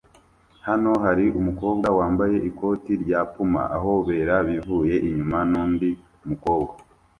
Hano hari umukobwa wambaye ikoti rya Puma ahobera bivuye inyuma nundi mukobwa